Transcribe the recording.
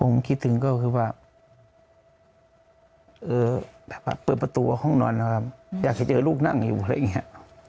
ผมคิดถึงก็คือว่าเปิดประตูห้องนอนนะครับอยากจะเจอลูกนั่งอยู่อะไรอย่างนี้